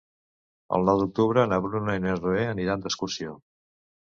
El nou d'octubre na Bruna i na Zoè aniran d'excursió.